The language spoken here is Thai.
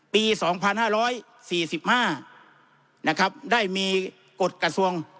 ปีสองพันห้าร้อยสี่สิบห้านะครับได้มีกฎกระทรวง